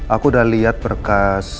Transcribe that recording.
aku udah liat berkas